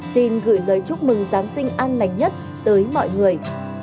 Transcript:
xin gửi lời chúc mừng giáng sinh an lành nhất tới mọi người